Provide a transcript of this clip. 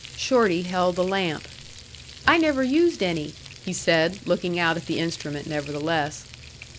Shorty held the lamp. "I never used any," he said, looking out at the instrument, nevertheless.